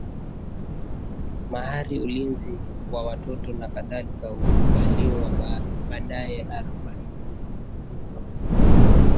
mahari ulinzi wa watoto nakadhalika hukubaliwa baadaye arobaini na nne Arusi za Wamasai ni